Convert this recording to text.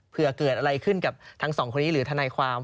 เผื่อเกิดอะไรขึ้นกับทั้งสองคนนี้หรือทนายความ